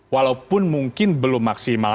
walaupun mungkin belum maksimal